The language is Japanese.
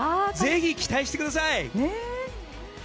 ぜひ期待してください。